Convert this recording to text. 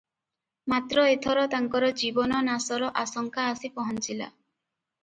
ମାତ୍ର ଏଥର ତାଙ୍କର ଜୀବନ ନାଶର ଆଶଙ୍କା ଆସି ପହଞ୍ଚିଲା ।